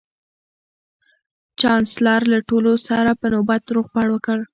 چانسلر له ټولو سره په نوبت روغبړ وکړ